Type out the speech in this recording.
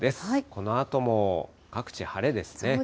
このあとも各地、晴れですね。